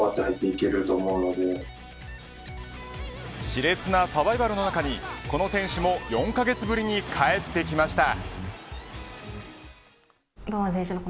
し烈なサバイバルの中にこの選手も４カ月ぶりに帰ってきました。